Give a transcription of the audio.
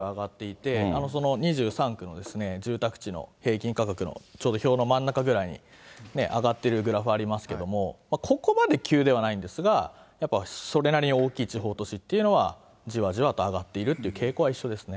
そうですね、じわじわ上がっていて、その２３区の住宅地の平均価格のちょうど表の真ん中ぐらいに上がってるグラフありますけども、ここまで急ではないんですが、やっぱりそれなりに大きい地方都市っていうのは、じわじわと上がっているっていう傾向は一緒ですね。